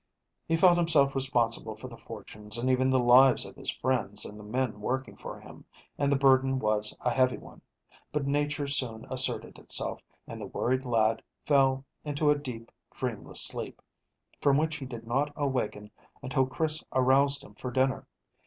He felt himself responsible for the fortunes and even the lives of his friends and the men working for him, and the burden was a heavy one. But nature soon asserted itself, and the worried lad fell into a deep, dreamless sleep, from which he did not awaken until Chris aroused him for dinner.